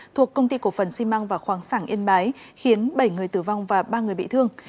thuộc công ty cổ phần xi măng và khoáng sản yên bái khiến bảy người tử vong và ba người bị thương